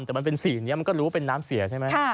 แต่มันเป็นสีนี้มันก็รู้ว่าเป็นน้ำเสียใช่ไหม